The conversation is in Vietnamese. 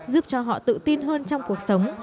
giúp cho họ tự tin hơn trong cuộc sống